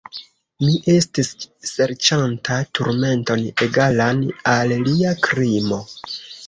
Mi estis serĉanta turmenton egalan al lia krimo.